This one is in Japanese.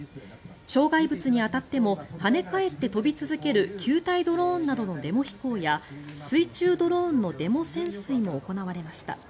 障害物に当たっても跳ね返って飛び続ける球体ドローンなどのデモ飛行や水中ドローンのデモ潜水も行われました。